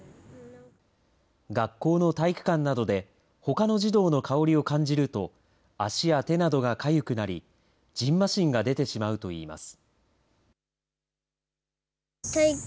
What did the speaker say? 学校の体育館などで、ほかの児童の香りを感じると、足や手などがかゆくなり、じんましんが出てしまうといいます。